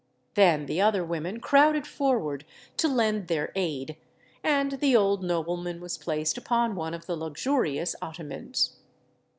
Then the other women crowded forward to lend their aid; and the old nobleman was placed upon one of the luxurious ottomans.